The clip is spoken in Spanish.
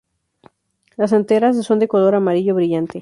Las anteras son de color amarillo brillante.